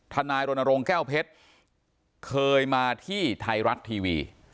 นายรณรงค์แก้วเพชรเคยมาที่ไทยรัฐทีวี